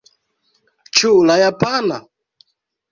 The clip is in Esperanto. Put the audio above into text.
Ĉu la japana?